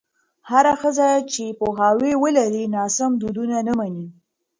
هره ښځه چې پوهاوی ولري، ناسم دودونه نه مني.